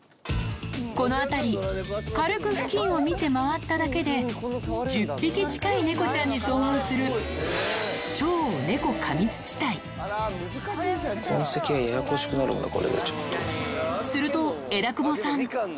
この辺り、軽く付近を見て回っただけで１０匹近い猫ちゃんに遭遇する、痕跡がややこしくなるな、すると、枝久保さん。